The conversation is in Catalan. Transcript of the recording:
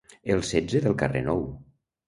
El setze del carrer Nou.